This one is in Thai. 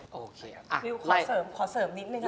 วิวขอเสริมนิดหน่อยนะ